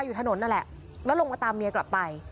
อยู่ถนนนั่นแหละแล้วลงมาตามเมียกลับไป